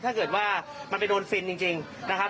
ถ้าเกิดว่ามันไปโดนฟินจริงนะครับ